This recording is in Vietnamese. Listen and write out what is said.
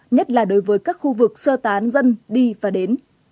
nhất là đối với các khu vực sơ tán dân đi và đến